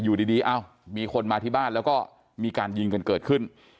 อยู่ดีเอ้ามีคนมาที่บ้านแล้วก็มีการยิงกันเกิดขึ้น